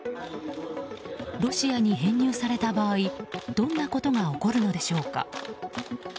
ロシアに編入された場合どんなことが起こるのでしょうか。